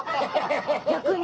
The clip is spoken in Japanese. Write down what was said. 逆に。